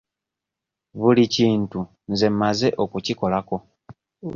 Buli kintu nze mmaze okukikolako.